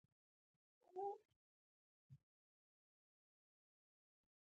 داسې خلک په یوه غمجنه بیوکیمیا ککړ دي.